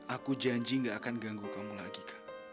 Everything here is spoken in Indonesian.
aku janji gak akan ganggu kamu lagi